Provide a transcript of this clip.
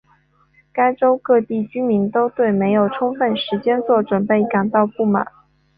该州各地居民都对没有充分时间做准备感到不满。